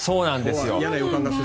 嫌な予感がする。